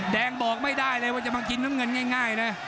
แดงบอกไม่ได้เลยว่าจะมากินน้ำเงินง่ายนะ